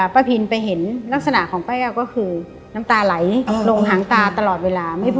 พินไปเห็นลักษณะของป้าแก้วก็คือน้ำตาไหลลงหางตาตลอดเวลาไม่พอ